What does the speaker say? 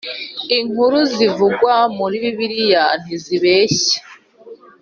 inkuru zivugwa muri bibiliya ntizibeshya